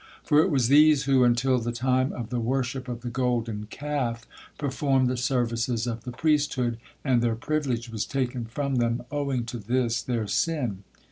For it was these who until the time of the worship of the Golden Calf performed the services of the priesthood, and their privilege was taken from them owing to this, their sin.